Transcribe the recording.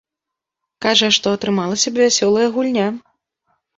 Кажа, што атрымалася б вясёлая гульня.